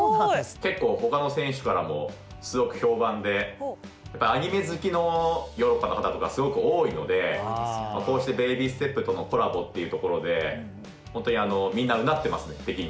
結構ほかの選手からもすごく評判でアニメ好きのヨーロッパの方とかすごく多いのでこうして「ベイビーステップ」とのコラボというところで本当にみんなうなってますね敵に。